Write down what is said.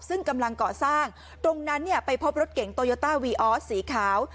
ซึ่งกำลังเกาะสร้างตรงนั้นเนี้ยไปพบรถเก่งสีขาว